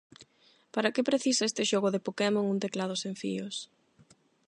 Para que precisa este xogo de Pokémon un teclado sen fíos?